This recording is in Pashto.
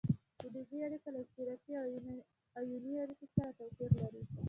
فلزي اړیکه له اشتراکي او ایوني اړیکې سره توپیر لري.